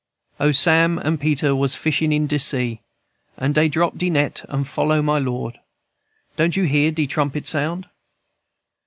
"O Sam and Peter was fishin' in de sea, And dey drop de net and follow my Lord. Don't you hear de trumpet sound?